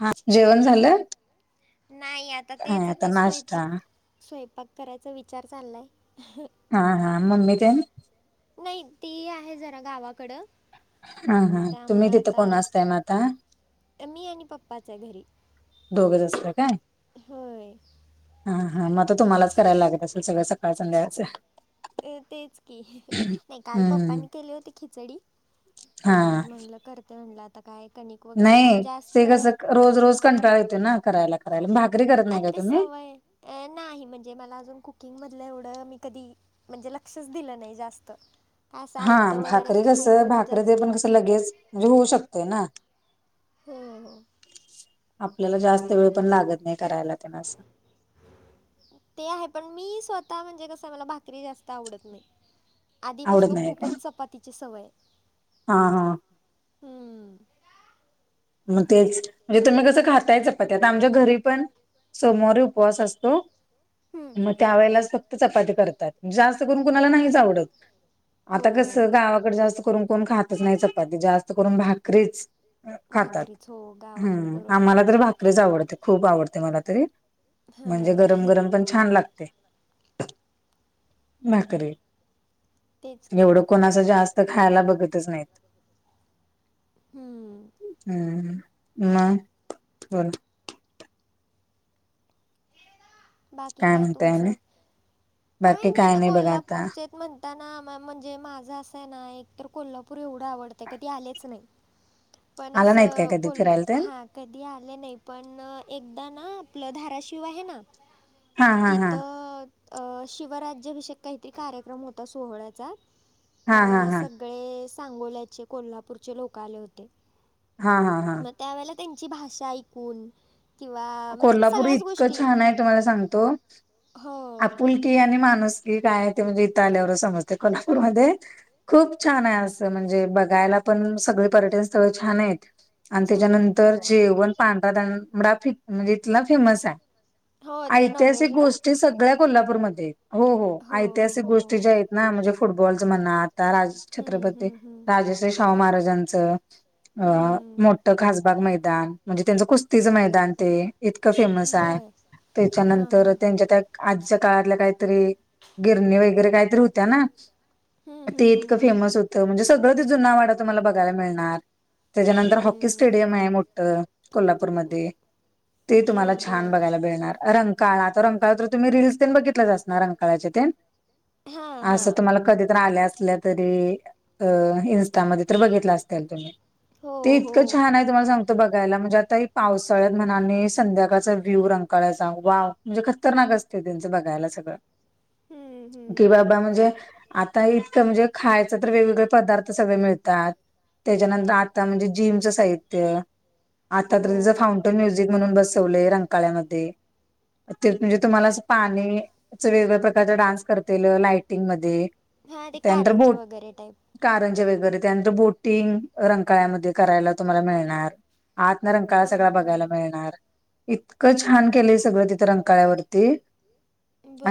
हा जेवण झालं नाही आता काय तेच आता आताच नाश्ता स्वयंपाक- स्वयंपाक करायचा विचार चाललाय. हा हा मम्मी तेन नाही ती आहे जरा गावाकडं. हा मग हा तुम्ही त्यामुळं तिथं आता कोण असताय मग आता मी आणि पप्पाच्या घरी. दोघंच असता काय? होय. हा हा मग तर तुम्हालाच करायला लागत असेल, सगळं सकाळ संध्याकाळच. अ तेच की नाही काल हम्म पप्पांनी केले होते खिचडी. हा मग आज म्हणल करते म्हणल आता काय कणी- नाही ते कसं रोज रोज कंटाळा येत ना करायला करायला भाग- आणि ते सवय नाही म्हणजे मला अजून कुकिंग मधलं एवढं मी कधी- म्हणजे लक्षच दिलं नाही जास्त. काय असं हा आयतं वगैरे भाकरी कसं खायचं भाकरी ते जास्त पण कसं लगेच म्हणजे होऊ शकतंय ना. हो हो आपल्याला जास्त वेळ पण लागत नाही करायला तेन असं- ते आहे, पण मी स्वतः म्हणजे कस मला भाकरी जास्त आवडत नाही. आवडत आधीपासन नाही काय खूपच चपातीची सवय- हा हा हम्म. मग तेच म्हणजे तुम्ही कसं खाताय चपात्या ते, आता आमच्या घरी पण- सोमवारी उपवास असतो हम्म. म- त्या वेळेलाच फक्त चपाती करतात. म्हणजे जास्त करून कुणाला नाहीच आवडत. आता हो कसं गावाकडे जास्त करून कोण खातच नाही चपाती जास्त करून भाकरीच. खातात. भाकरीच हो गावाकडे हम्म बरोबर आम्हाला आहे. तर भाकरी- भाकरीच आवडते. खूप आवडते मला तरी हा म्हणजे गरम गरम पण छान लागते. भाकरी तेच की एवढं- कोण असं जास्त खायला बघतच नाही. हम्म हम्म हम् नाही. बाकी काय म्हणताय आणि तुमचं, काय बाकी नाही आता बघा आता कोल्हापूरचे म्हण- म्हणजे माझं असं आहे ना, एक तर कोल्हापूर एवढं आवडतंय कधी आलेच नाही. पण आला नाहीत काय असं कधी फिरायला ते कोल्हा हा कधी आले नाही. पण एकदा ना आपलं धाराशिव आहे ना- हा हा हा तिथं शिवराज्याभिषयक काहीतरी कार्यक्रम होता सोहळ्याचा हा हा त्यावेळेला हा संध्या. सगळे सांगोल्याचे कोल्हापूरचे लोक आले होते. हा हा हा मग त्यावेळेला त्यांची भाषा ऐकून- किंवा म्हणजे कोल्हापूर सगळ्याच इतकं गोष्टी छान आहे तुम्हाला सांगतो. हो आपुल- की आणि माणूसकी काय आहे ते म्हणजे इथं आल्यावर समजते कोल्हापूरमध्ये. खूप छान आहे असं, म्हणजे बघायला पण सगळे पर्यटन स्थळ छान आहेत‌. आणि छान आहेत हो त्याच्यानंतर जेवण पांढरा तांबडा म्हणजे इथला फेमस आहे. हो ते ऐतिहासिक नॉनव्हेज ना गोष्टी सगळ्या कोल्हापूरमध्ये हो हो ऐतिहासिक गोष्टी ज्या- ना म्हणजे फुटबॉलचं म्हणा आता हम्म, छत्रपती हम्म, हम्म, राजश्री शाहू महाराजांच. अ हम्म. मोठं खासबाग मैदान म्हणजे त्यांच कुस्तीच ते इतकं फेमस आहे. बर हां त्याच्यानंतर हां त्यांच्या त्या आजच्या काळातल्या काहीतरी गिरणी वगैरे काहीतरी होत्या ना? हम्म, हम्म, ते हम्म, इतकं हम्म. फेमस होतं म्हणजे सगळं ते जुना वाडा तुम्हाला बघायला मिळणार. त्याच्यानंतर हॉकी हम्म. स्टेडियम आहे मोठं कोल्हापूरमध्ये. ते तुम्हाला बर छान बर बघायला मिळणार, रंकाळ आता रंकाळ तर तुम्ही रील्स तेन बघित -लच असणार रंकाळाच्या तेन हां असं हां तुम्हाला कधी तरी आल्या असल्या तरी इंस्टामधी तर बघितलं असत्यालं तुम्ही, हो ते हो इतकं छान आहे तुमला सांगतो बघायला म्हणे आता ह पावसाळ मनाने संध्याकाळचा व्ह्यू रंगकाळायचा वाव म्हणजे खतरनाक असते त्यांचं बघायला सगळं. हम्म, कि हम्म, बाबा हम्म. म्हणजे आता इतकं म्हणजे खायचं तर वेगवेगळे पदार्थ सगळे मिळतात. त्याच्यानंतर आता म्हणजे जिमचं साहित्य आता तरच हो फाउं ते म्युझिक म्हणून बसवलेय रंगकाळ्यामध्ये. ते म्हणजे तुम्हाला असं पाणी च वेगवेगळ्या प्रकारचा डान्स करतील लाइटिंगमध्ये. हा ते कारंजा वगैरे टाईप. कारंजा वगैरे त्यानंतर बोटिंग रंकाळ्यामध्ये करायला तुम्हाला मिळणार. आतन सगळा हा रंकाळा हा. बघायला मिळणार. इतकं छान केलंय सगळं तिथं रंकाळ्यावरती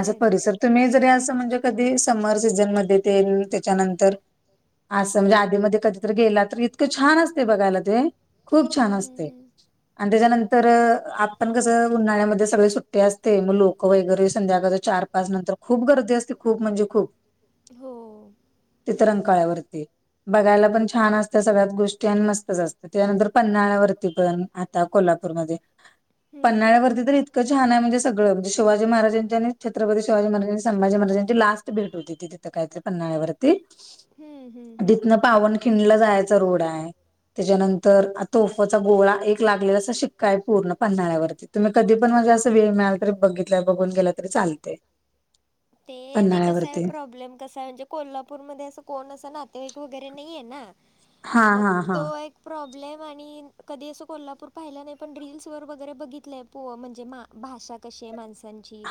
असं परिसर तुम्ही जरी असं म्हणजे कधी समर सीझनमध्ये तेन त्याच्यानंतर असं म्हणजे आधीमध्ये कधीतरी गेला तर इतकं छान असतय बघायला ते खूप छान हम्म हम्म असतय हम्म आणि त्याच्यानंतर आपण कसं उन्हाळ्यामध्ये सगळे सुट्टी असते मग लोक वगैरे संध्याकाळी चार, पाच नंतर खूप गर्दी असते खूप म्हणजे खूप. हो तिथं रंकाळ्यावरती. बघायला पण छान असतं सगळ्याच गोष्टी आणि मस्तच असत त्यानंतर पन्हाळ्यावरती पण त्या कोल्हापूरमध्ये हम्म हम्म हम्म. पन्हाळ्यावरती तर इत क छान आहे म्हणजे सगळं शिवाजी महाराजांची आणि छत्रपती शिवाजी महाराजांची संभाजी महाराजांची लास्ट भेट होती तिथे. काहीतरी पन्हाळ्यावरती हम्म हम्म हम्म. जिथंन पावनखिंडला जायचा रोड आहे. त्याच्यानंतर तोफचा गोळा एक लागलेला अस शिक्का आहे पूर्ण पन्हाळ्यावरती. तुम्ही कधी पण म्हणजे असं वेळ मिळाला तर बघितला बघून गेला तरी चालते. ते ते कसं आहे पन्हाळ्यावरती प्रॉब्लेम कसा आहे म्हणजे कोल्हापूरमध्ये असं कोण असं नातेवाईक वगैरे नाहीये ना हा मग हा हा तो एक प्रॉब्लेम आणि कधी असं कोल्हापूर पाहिलं नाही पण रील्सवर वगैरे बघितलंय. हो म्हणजे मा भाषा कशी आहे माणसांची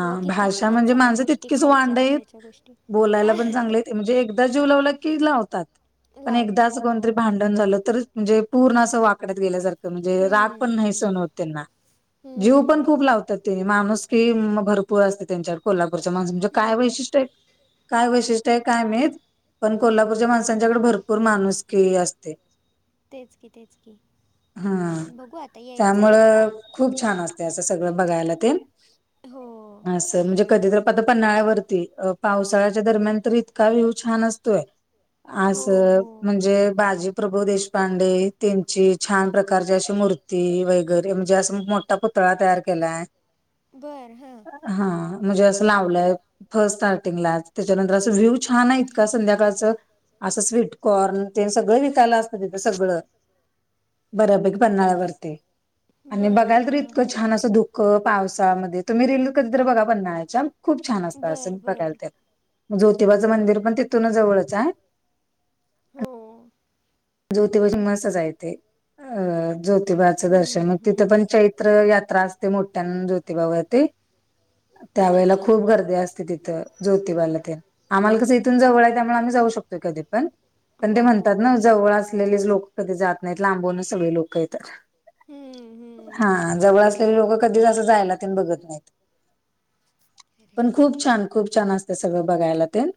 किंवा किती छान सगळ्या माणस गोष्टी तितकीच वांड खायच्या आहेत प्यायच्या गोष्टी. बोलायला पण चांगले आहेत म्हणजे एकदा जीव लावला की लावतात. पण एकदा लावतात असं हो कोणीतरी भांडण झालं तरी म्हणजे पूर्ण असं वाकड्यात गेल्या सारखं. म्हणजे राग हम्म पण नाही हम्म सहन होत त्यांना जीव पण हम्म. खूप लावतात ते माणूस की भरपूर असते त्यांच्याकडे कोल्हापूरच्या माणसांकडे म्हणजे काय हम्म, वैशिष्ट्य काय वैशिष्ट्य ते काय माहीत पण कोल्हापूरच्या माणसांच्याकडे भरपूर माणूसकी असते. तेच की तेच की हा. बघू आता यायचं आहे एकदा. त्यामुळं खूप छान असत असं सगळं बघायला तेन. हो! असं म्हणजे कधीतरी पत पन्हाळ्यावरती पावसाळ्याच्या दरम्यान तर इतका व्ह्यू छान असतोय. हो असं हो म्हणजे बाजी प्रभू देशपांडे त्यांची छान प्रकारची अशी मूर्ती वगैरे म्हणजे असं म त्या पुतळा तयार केलाय. बर, हां. हा म्हणजे असं लावलाय, फर्स्ट स्टार्टिंगलाच त्याच्यानंतर असं व्हिव छान आहे इतका संध्याकाळचं, असं स्वीटकॉर्न तेन सगळं विकायला असत तिथं सगळं. बऱ्यापैकी पन्हाळ्यावरती, आणि बर बघायला हां तर हां इतकं हां छान असं धुकं पावस त्यामध्ये तुम्ही रिल कधीतरी बघा पन्हाळ्याच्या, खूप छान असतं असं बर बघायल बर ते. जोतिबाचं मंदिर पण तिथूनच जवळच हाय. हो, हो. जोतिबाचं मस्तच आहे ते, अ जो जोतिबाचं दर्शन, हम्म, म तिथं हम्म, पण चैत्र यात्रा असते मोठ्यानं जोतिबावरती. त्यावेेळेला अच्छा खूप गर्दी असते तिथं, जोतिबाला तेन. आम्हाला कसं इथून जवळ हाय त्यामुळे आम्ही जाऊ शकतोय कधी पण, ते हो म्हणतात ना जवळ असलेलेच लोक कधी जात नाहीत, लांबूनच सगळे लोक येतात. हम्म, हा हम्म. जवळ असलेले लोक कधीच असं जायला ते बघत नाहीत. खरंय पण की. खूप छान, खूप छान असतय सगळं बघायला तेन.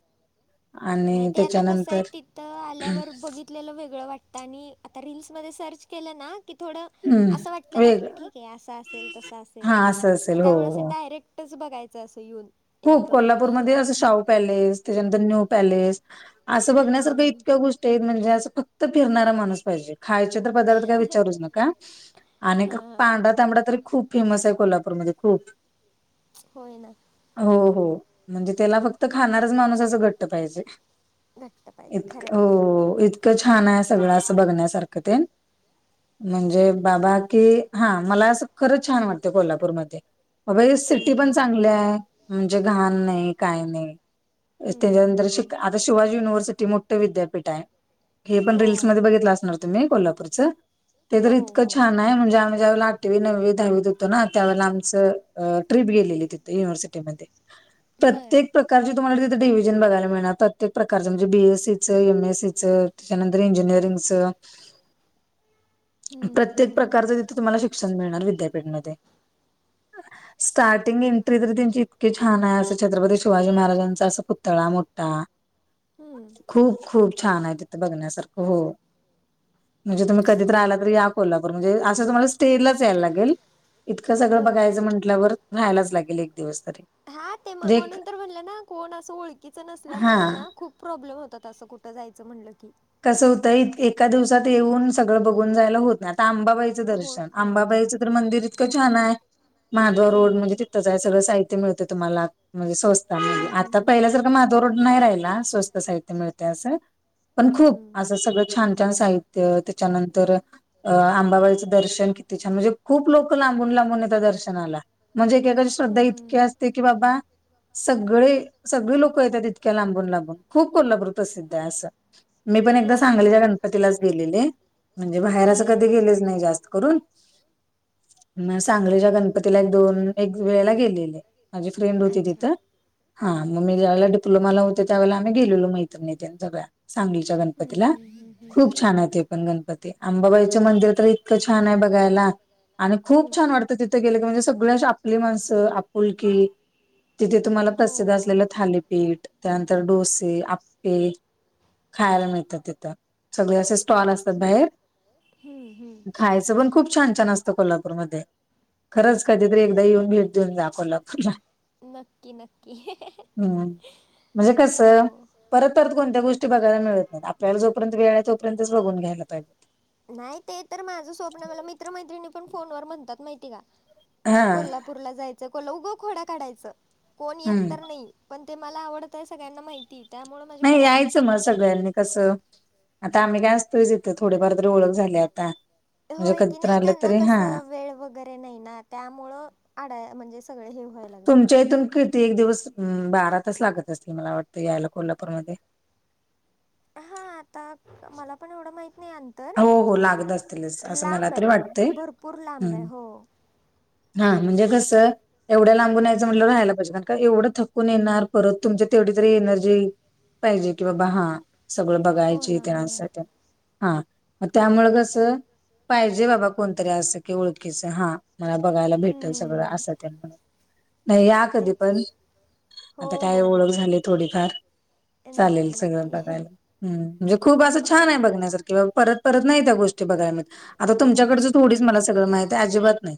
नाही ते आता कसं हाय तिथं आल्यावर बघित आपल्याला वेगळं वाटतं, आणि आता रील्सधे सर्च केलं ना. की थोडं असं हम्म वाटतं ना वेग की ठीकय, असं असेल तसं असेल हा असं असेल हो त्यामुळे अस हो डायरेक्ट तेच बघायचं असं येवून. खूप कोल्हापूरमधे अस शाहू पॅलेस, त्याच्यानंतर न्यू पॅलेस अस बघण्यासारख हम्म इतक्या गोष्टी आहेत म्हणजे अस कुठं फक्त फिरणारा माणूस पाहिजे, खायचे तर पदार्थ काय विचारूच नका. आणि हा इथ पांढरा तांबडा तरी खूप फेमस हाय कोल्हापूरमध्ये खूप. होय ना. हो, हो म्हणजे त्याला फक्त खाणारच माणूस असं घट्ट पाहिजे. घट्ट पाहिजे खरं इतकं ओ-इत इतक छाना हाय सगळं असं बघण्यासारखं तेन, म्हणजे बाबा की हा मला अस खरंच छान वाटत कोल्हापूरमध्ये, अब सिटी पण हम्म चांगली हाय. म्हणजे घाण नाही, काय नाही हम्म त्याच्यानंतर हम्म शिक आता शिवाजी युनिवर्सिटी मोठं विद्यापीठ हाय. हे पण हो रील्समध्ये बघितलं असणार तुम्ही, कोल्हापूरच ते तर हो इतकं हो छान नाही म्हणजे आम्ही ज्यावेळेला आठवी, नववी, दहावीत होतो ना, त्या वेळेला आमच अ, ट्रिप गेलेली तिथ युिव्हर्सिटी. ते म ते, बर प्रत्येक प्रकारचे तुम्हाला तिेथ डिव्हजन बघायला मिळणार, प्रत्येक प्रकारच म्हणजे बीएसीचं, एमएसीचं. त्याच्यानंतर इंजिनिअरिंगच. हम्म प्रत्येक हम्म प्रकारचं तिथं तुम्हाला शिक्षण मिळणार विद्यापीठमध्ये. स्टार्टिंग एंट्री तर त्येची इतकी छान हाय असं छत्रपती शिवाजी महाराजांचा असं पुतळा मोठा. हम्म खूप, खूप छान हाय, तिथं बघण्यासारखं हो. म्हणजे तुम्ही कधी तर आला तर या कोल्हापूर, म्हणजे असं तुम्हाला स्टे लाच यायला लागेल. इतकं सगळं बर बघायचं बर म्हटल्यावर, राहायलाच लागेल एक दिवस तरी. हा ते म म्हणजे म्हणून तर म्हणलं ना, कोण असं ओळखीच हा नसल्यामुळ ना खूप प्रॉब्लेम होतात असं कुठं जायचं म्हणलं की. कसं होतंय एका दिवसात येऊन सगळं बघून जायला होत नाही, आता आंबाबाई दर्शन. होत नाही अंबाबाई च तर मंदिर इतकं छानाय. माधव रोड म्हणजे हम्म तिथंचाय सगळं साहित्य मिळतं तुम्हाला. म्हणजे स्वस्त म्हणजे, हम्म आता हम्म पहिल्यासारख माधव रोड नाही राहिला. स्वस्त साहित्य मिळतय असं. पण खूप हम्म असं सगळं छान छान साहित्य. त्याच्यानंतर अ आंबाबाईचं दर्शन किती छान, म्हणजे खूप लोक लांबून लांबून येता दर्शनाला. म्हणजे एकेकाची श्रद्धा इतकी हम्म असते की बाबा सगळे सगळे लोक येतात. इतक्या लांबून लांबून. खूप कोल्हापूर प्रसिद्धय असं. मी पण एकदा हो ना हो सांगलीच्या ना गणपतीलाच गेलेली. म्हणजे बाहेर असं हम्म कधी गेलेच नाही जास्त करून. म सांगलीच्या गणपतीला एक दोन एक वेळेला गेलेली. माझी फ्रेंड होती अच्छा तिथं. हां, मग मी ज्यावेळेला डीप्लोमाला होते त्यावेळेला आम्ही गेलेलो. मैत्रिणी त्यान सगळ्या. सांगलीच्या हम्म गणपतीला. हम्म हम्म हम्म खूप छानाय ते पण गणपती. आंबाबाईचं मंदिर तर इतकं छानाय बघायला. आणि खूप छान हम्म वाटतं तिथे गेले की, म्हणजे सगळी अशी आपली माणसं. आपुलकी तिथे तुम्हाला हो प्रसिद्ध असलेलं थालीपीठ, त्यानंतर डोसे, आप्पे खायाला मिळतात तिथं. सगळे असे स्टॉल असतात बाहेर. हम्म हम्म. खायचं पण खूप छान छान असतं कोल्हापूरमध्ये. खरंच कधीतरी एकदा येऊन, भेट देऊन जा कोल्हापूरला. नक्की नक्की. हम्म, म्हणजे कस हो परत परत कोणत्या गोष् टी बघायला मिळत नाहीत. आपल्याला जोपर्यत वेळय, तोपर्यच बघून घ्यायला पाहिजे. नाही ते तर माझं स्वप्न, मला मित्र मैत्रिणी पण फोनवर म्हणतात माहिती का? हा कोल्हा पुूरला जायचं, कोला उघं खोडा काढायचं, कोण येत हम्म तर नाही. पण ते मला आवडतय सगळ्यांना माहितीय, त्यामुळे माझ्या नाही खोड्या यायचं काढतात मग सगळ्या. सगळ्यांनी कसं,, आता आम्ही काय असतोयच इथं, थोडेफार तरी ओळख झाल्याय आता. म्हणजे होय कधी की, तर नाही आलं त्यांना तरी हा कसं, वेळ वग गरे नाही ना. त्यामुळं अडाय म्हणजे सगळे हे व्हाय तुमच्या इथून किती एक दिवस, बारा तास लागत असतील मला वाटतें, यायला कोल्हापूरमध्ये. हा आता मला पण एवढं माहीत नाही अं तर, हो हो लागत असतीलच असं मला लांबे तरी पण, वाटतंय भरपूर लांबे. हम्म. हो. हा, म्हणजे कसं एवढ्या लांबून या्यायचं म्हटलंत राहायला पाहिजे. कारण का एवढं थकून येणार, परत तुमच्या तेवढी तरी एनर्जी पाहिजे कि बाबा हा, सगळं हो बघायची ना हो ना त्यानसाठी, हा. मग त्यामुळ कसं, पाहिजे बाबा कोणतरी असं की, ओळखीचं. हां. मला बघायला भेटल सगळं, हम्म असं म्हणून. नाही या कधी तेच पण. की हो आता काय हो हो ओळख झालीय थोडीफार. चालेल नक्की सगळं नक्की बघायला. हम्म म्हणजे खूप असं हो छाने बघण्यासारखी. ब परत परत नाही त्या गोष्टी बघाय मीळत. आता तुमच्या कडचं थोडीच मला सगळं माहिते. अजिबात नाही.